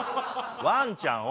ワンちゃんを。